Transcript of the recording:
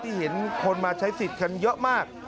เห็นคนมาใช้สิทธิ์กันเยอะมาก